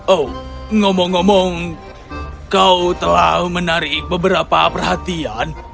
oh ngomong ngomong kau telah menarik beberapa perhatian